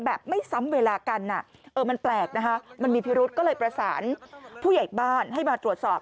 แบบไม่ซ้ำเวลากันมันแปลกนะคะมันมีพิรุษก็เลยประสานผู้ใหญ่บ้านให้มาตรวจสอบ